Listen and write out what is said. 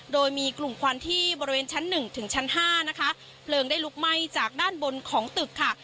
โดยมีกลุ่มควันที่บริเวณชั้นหนึ่งถึงชั้นห้านะคะเพลิงได้ลุกไหม้จากด้านบนของตึกค่ะ